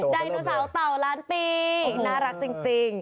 ไดโนเสาร์เต่าล้านปีน่ารักจริง